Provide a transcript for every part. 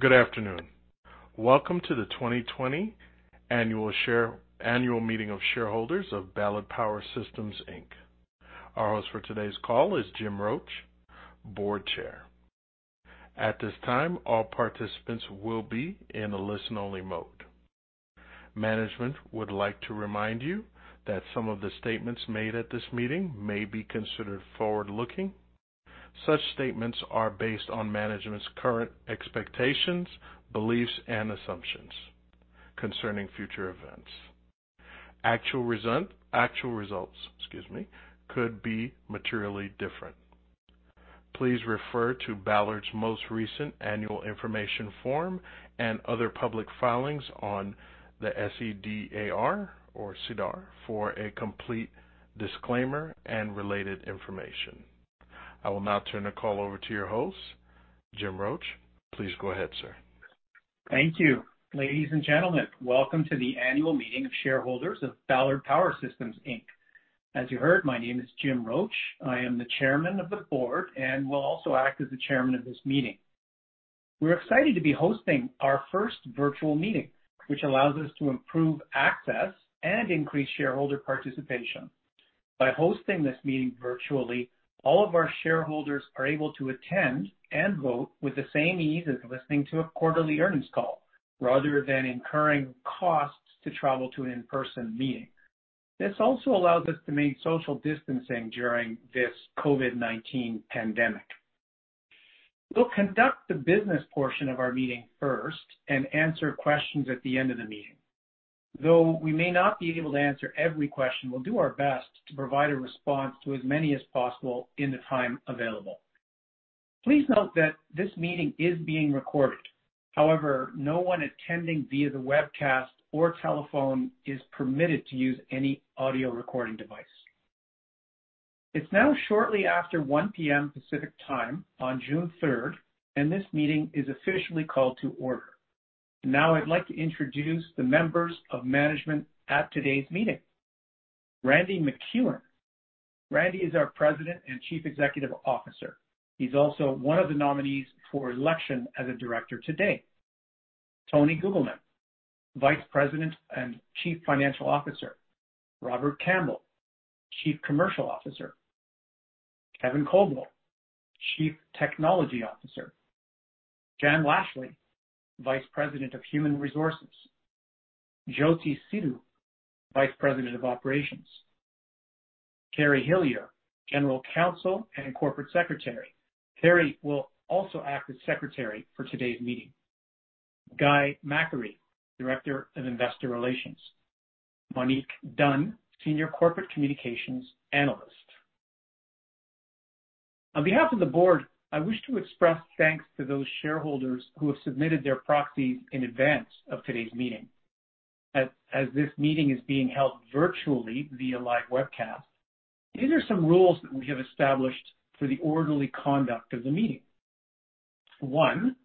Good afternoon. Welcome to the 2020 Annual Meeting of Shareholders of Ballard Power Systems, Inc. Our host for today's call is Jim Roche, Board Chair. At this time, all participants will be in a listen-only mode. Management would like to remind you that some of the statements made at this meeting may be considered forward-looking. Such statements are based on management's current expectations, beliefs, and assumptions concerning future events. Actual results, excuse me, could be materially different. Please refer to Ballard's most recent annual information form and other public filings on the S-E-D-A-R or SEDAR for a complete disclaimer and related information. I will now turn the call over to your host, Jim Roche. Please go ahead, sir. Thank you. Ladies and gentlemen, welcome to the Annual Meeting of Shareholders of Ballard Power Systems Inc. As you heard, my name is Jim Roche. I am the Chairman of the Board and will also act as the chairman of this meeting. We're excited to be hosting our first virtual meeting, which allows us to improve access and increase shareholder participation. By hosting this meeting virtually, all of our shareholders are able to attend and vote with the same ease as listening to a quarterly earnings call, rather than incurring costs to travel to an in-person meeting. This also allows us to maintain social distancing during this COVID-19 pandemic. We'll conduct the business portion of our meeting first and answer questions at the end of the meeting. Though we may not be able to answer every question, we'll do our best to provide a response to as many as possible in the time available. Please note that this meeting is being recorded. However, no one attending via the webcast or telephone is permitted to use any audio recording device. It's now shortly after 1:00 P.M. Pacific Time on June 3rd, and this meeting is officially called to order. Now, I'd like to introduce the members of management at today's meeting. Randy MacEwen. Randy is our President and Chief Executive Officer. He's also one of the nominees for election as a Director today. Tony Guglielmin, Vice President and Chief Financial Officer. Robert Campbell, Chief Commercial Officer. Kevin Colbow, Chief Technology Officer. Jan Laishley, Vice President of Human Resources. Jyoti Sidhu, Vice President of Operations. Kerry Hillier, General Counsel and Corporate Secretary. Kerry will also act as secretary for today's meeting. Guy McAree, Director of Investor Relations. Monique Dunn, Senior Corporate Communications Analyst. On behalf of the Board, I wish to express thanks to those shareholders who have submitted their proxies in advance of today's meeting. As this meeting is being held virtually via live webcast, these are some rules that we have established for the orderly conduct of the meeting. One,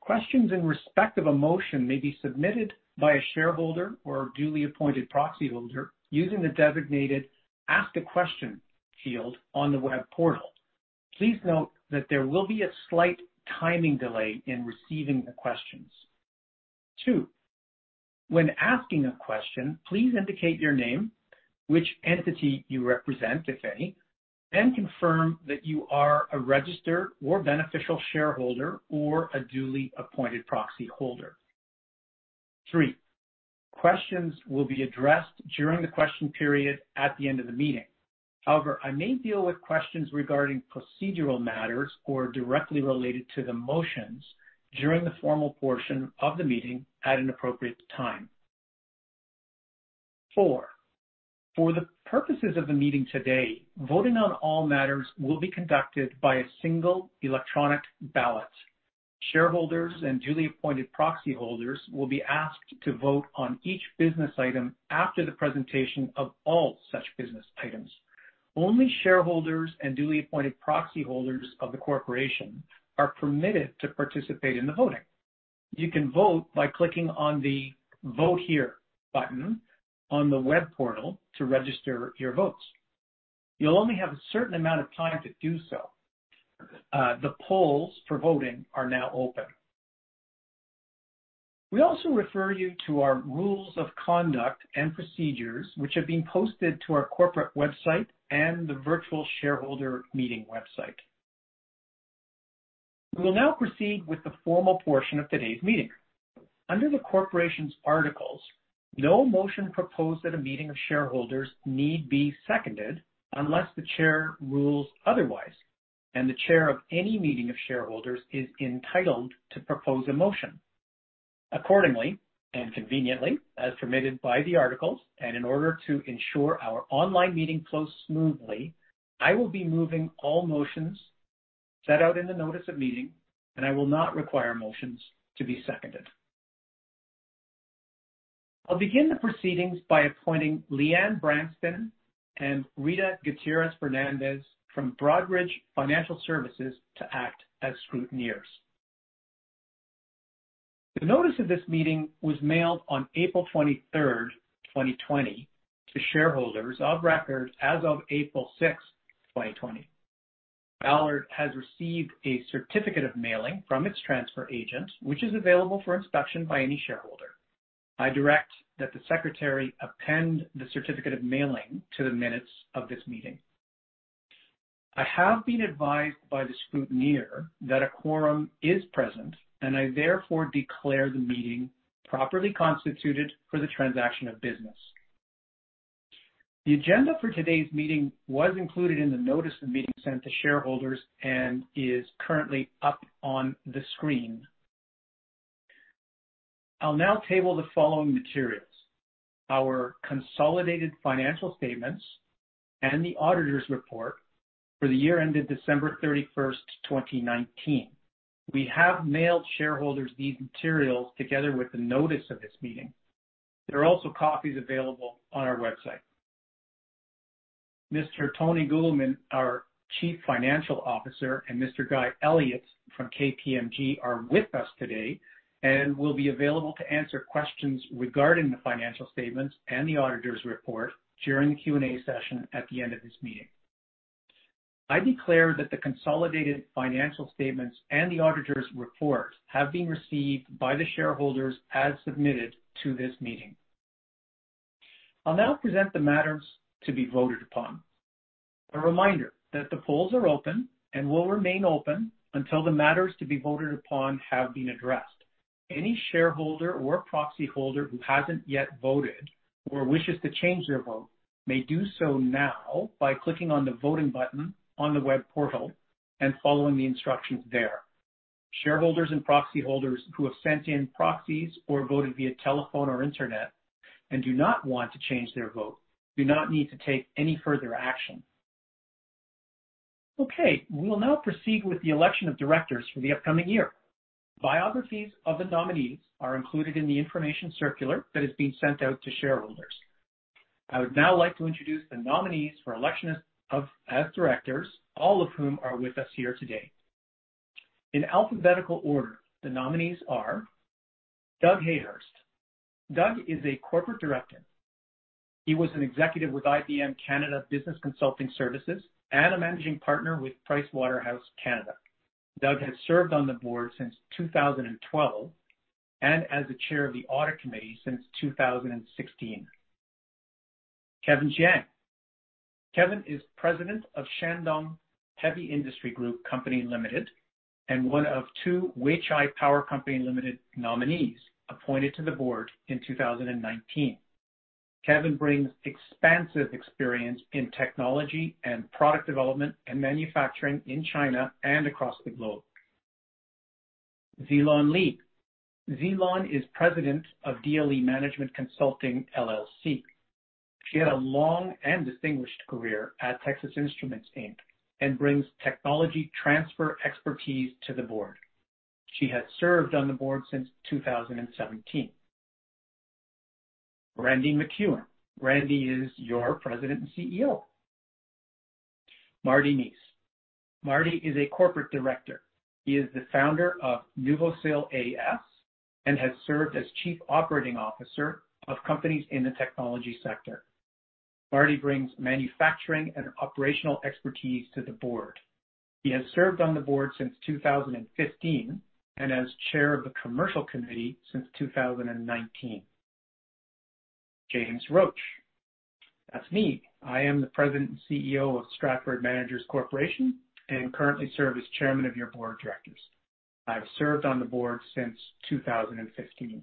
questions in respect of a motion may be submitted by a shareholder or a duly appointed proxy holder using the designated Ask a Question field on the web portal. Please note that there will be a slight timing delay in receiving the questions. Two, when asking a question, please indicate your name, which entity you represent, if any, and confirm that you are a registered or beneficial shareholder or a duly appointed proxy holder. Three, questions will be addressed during the question period at the end of the meeting. However, I may deal with questions regarding procedural matters or directly related to the motions during the formal portion of the meeting at an appropriate time. Four, for the purposes of the meeting today, voting on all matters will be conducted by a single electronic ballot. Shareholders and duly appointed proxy holders will be asked to vote on each business item after the presentation of all such business items. Only shareholders and duly appointed proxy holders of the corporation are permitted to participate in the voting. You can vote by clicking on the Vote Here button on the web portal to register your votes. You'll only have a certain amount of time to do so. The polls for voting are now open. We also refer you to our rules of conduct and procedures, which have been posted to our corporate website and the virtual shareholder meeting website. We will now proceed with the formal portion of today's meeting. Under the corporation's articles, no motion proposed at a meeting of shareholders need be seconded unless the chair rules otherwise, and the chair of any meeting of shareholders is entitled to propose a motion. Accordingly and conveniently, as permitted by the articles and in order to ensure our online meeting flows smoothly, I will be moving all motions set out in the notice of meeting, and I will not require motions to be seconded. I'll begin the proceedings by appointing Leanne Branston and Rita Gutierrez-Fernandez from Broadridge Financial Services to act as scrutineers. The notice of this meeting was mailed on April 23rd, 2020, to shareholders of record as of April 6th, 2020. Ballard has received a certificate of mailing from its transfer agent, which is available for inspection by any shareholder. I direct that the secretary append the certificate of mailing to the minutes of this meeting. I have been advised by the scrutineer that a quorum is present, and I therefore declare the meeting properly constituted for the transaction of business. The agenda for today's meeting was included in the notice of meeting sent to shareholders and is currently up on the screen. I'll now table the following materials: Our consolidated financial statements and the auditor's report for the year ended December 31st, 2019. We have mailed shareholders these materials together with the notice of this meeting. There are also copies available on our website. Mr. Tony Guglielmin, our Chief Financial Officer, and Mr. Guy Elliot from KPMG, are with us today and will be available to answer questions regarding the financial statements and the auditor's report during the Q&A session at the end of this meeting. I declare that the consolidated financial statements and the auditor's report have been received by the shareholders as submitted to this meeting. I'll now present the matters to be voted upon. A reminder that the polls are open and will remain open until the matters to be voted upon have been addressed. Any shareholder or proxy holder who hasn't yet voted or wishes to change their vote may do so now by clicking on the voting button on the web portal and following the instructions there. Shareholders and proxy holders who have sent in proxies or voted via telephone or internet and do not want to change their vote, do not need to take any further action. Okay, we will now proceed with the election of directors for the upcoming year. Biographies of the nominees are included in the information circular that is being sent out to shareholders. I would now like to introduce the nominees for election as directors, all of whom are with us here today. In alphabetical order, the nominees are Doug Hayhurst, Doug is a corporate director. He was an executive with IBM Business Consulting Services and a managing partner with Pricewaterhouse, Canada. Doug has served on the board since 2012 and as the Chair of the Audit Committee since 2016. Kevin Jiang, Kevin is President of Shandong Heavy Industry Group Co., Ltd., and one of two Weichai Power Co. Ltd. nominees appointed to the board in 2019. Kevin brings expansive experience in technology and product development and manufacturing in China and across the globe. Duy-Loan Le, Duy-Loan is President of DLE Management Consulting LLC. She had a long and distinguished career at Texas Instruments Inc. and brings technology transfer expertise to the board. She has served on the board since 2017. Randy MacEwen, Randy is your President and CEO. Marty Neese, Marty is a corporate director. He is the founder of NuVosil AS and has served as Chief Operating Officer of companies in the technology sector. Marty brings manufacturing and operational expertise to the board. He has served on the board since 2015 and as Chair of the Commercial Committee since 2019. James Roche, that's me. I am the President and CEO of Stratford Managers Corporation and currently serve as Chairman of your Board of Directors. I've served on the board since 2015.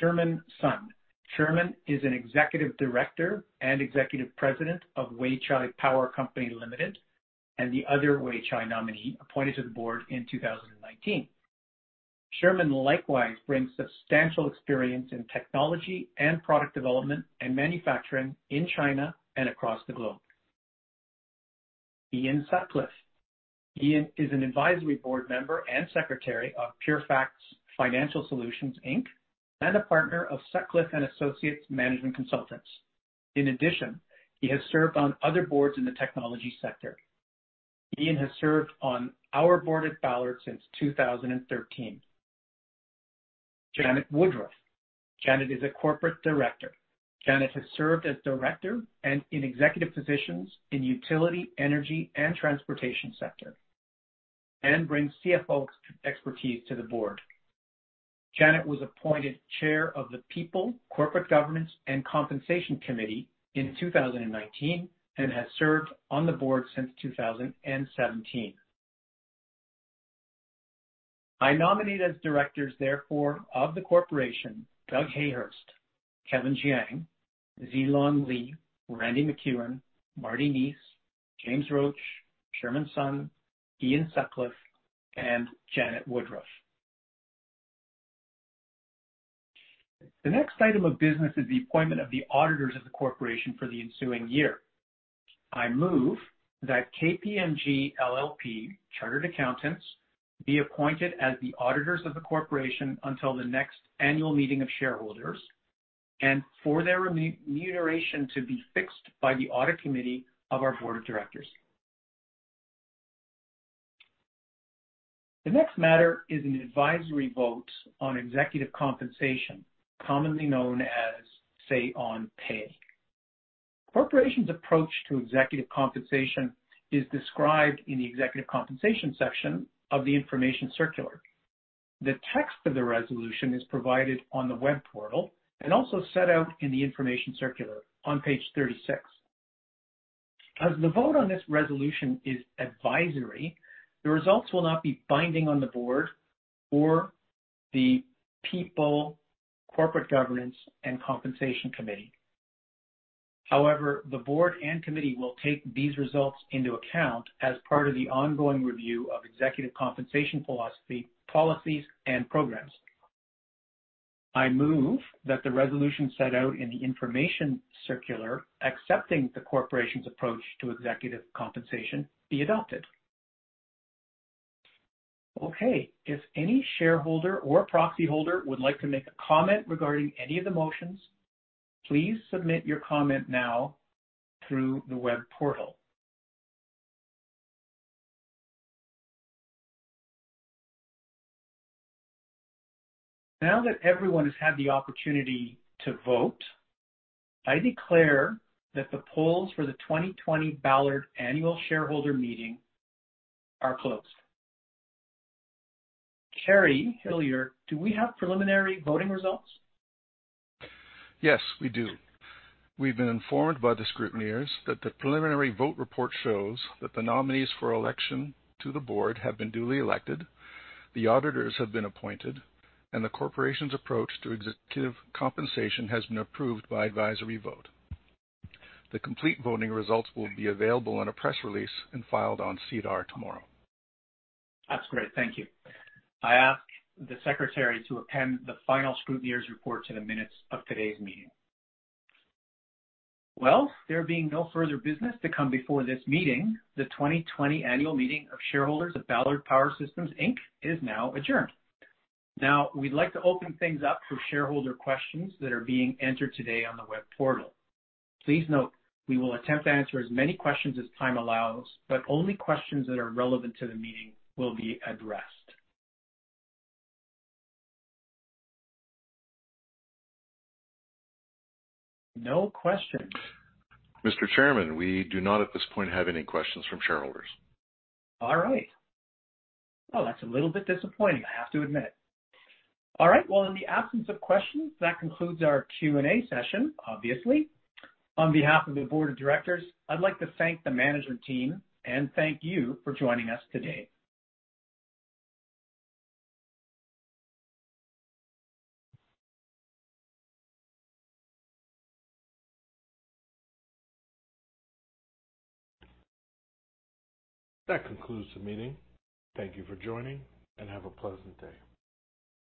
Sherman Sun, Sherman is an Executive Director and Executive President of Weichai Power Company Limited and the other Weichai nominee appointed to the board in 2019. Sherman likewise brings substantial experience in technology and product development and manufacturing in China and across the globe. Ian Sutcliffe, Ian is an advisory board member and Secretary of PureFacts Financial Solutions Inc. and a partner of Sutcliffe and Associates Management Consultants. In addition, he has served on other boards in the technology sector. Ian has served on our board at Ballard since 2013. Janet Woodruff, Janet is a corporate director. Janet has served as director and in executive positions in utility, energy, and transportation sector, and brings CFO expertise to the board. Janet was appointed Chair of the People, Corporate Governance, and Compensation Committee in 2019, and has served on the board since 2017. I nominate as directors, therefore, of the corporation, Doug Hayhurst, Kevin Jiang, Duy-Loan Le, Randy MacEwen, Marty Neese, James Roche, Sherman Sun, Ian Sutcliffe, and Janet Woodruff. The next item of business is the appointment of the auditors of the corporation for the ensuing year. I move that KPMG LLP Chartered Accountants be appointed as the auditors of the corporation until the next annual meeting of shareholders, and for their remuneration to be fixed by the Audit Committee of our Board of Directors. The next matter is an advisory vote on executive compensation, commonly known as Say-on-Pay. Corporation's approach to executive compensation is described in the executive compensation section of the information circular. The text of the resolution is provided on the web portal and also set out in the information circular on page 36. As the vote on this resolution is advisory, the results will not be binding on the board or the People, Corporate Governance, and Compensation Committee. However, the board and committee will take these results into account as part of the ongoing review of executive compensation philosophy, policies, and programs. I move that the resolution set out in the information circular, accepting the corporation's approach to executive compensation, be adopted. Okay, if any shareholder or proxy holder would like to make a comment regarding any of the motions, please submit your comment now through the web portal. Now that everyone has had the opportunity to vote, I declare that the polls for the 2020 Ballard Annual Shareholder Meeting are closed. Kerry Hillier, do we have preliminary voting results? Yes, we do. We've been informed by the scrutineers that the preliminary vote report shows that the nominees for election to the board have been duly elected, the auditors have been appointed, and the corporation's approach to executive compensation has been approved by advisory vote. The complete voting results will be available in a press release and filed on SEDAR tomorrow. That's great. Thank you. I ask the secretary to append the final scrutineers report to the minutes of today's meeting. Well, there being no further business to come before this meeting, the 2020 Annual Meeting of Shareholders of Ballard Power Systems Inc. is now adjourned. We'd like to open things up for shareholder questions that are being entered today on the web portal. Please note, we will attempt to answer as many questions as time allows, but only questions that are relevant to the meeting will be addressed. No questions. Mr. Chairman, we do not at this point have any questions from shareholders. All right. Well, that's a little bit disappointing, I have to admit. All right, well, in the absence of questions, that concludes our Q&A session, obviously. On behalf of the board of directors, I'd like to thank the management team, thank you for joining us today. That concludes the meeting. Thank you for joining, and have a pleasant day.